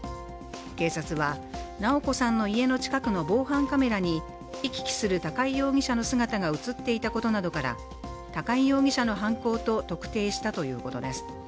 警察は直子さんの家の近くの防犯カメラに行き来する高井容疑者の姿が映っていたことなどから高井容疑者の犯行と特定したということです。